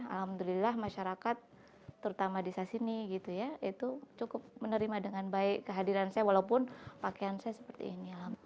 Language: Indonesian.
alhamdulillah masyarakat terutama di saya sini gitu ya itu cukup menerima dengan baik kehadiran saya walaupun pakaian saya seperti ini